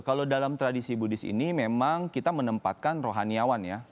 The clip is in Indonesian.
kalau dalam tradisi budis ini memang kita menempatkan rohaniawan ya